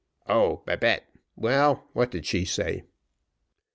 "Oh, Babette well, what did she say?"